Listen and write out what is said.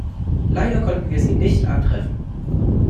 Leider konnten wir Sie nicht antreffen.